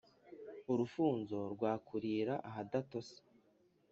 urufunzo rwakurira ahadatose’